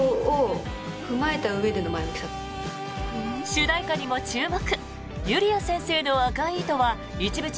主題歌にも注目。